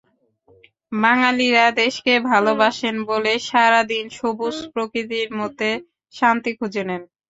বাঙালিরা দেশকে ভালোবাসেন বলেই সারা দিন সবুজ প্রকৃতির মধ্যে শান্তি খুঁজে নেন।